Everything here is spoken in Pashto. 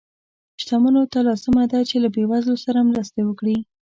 شتمنو ته لازمه ده چې له بې وزلو سره مرستې وکړي.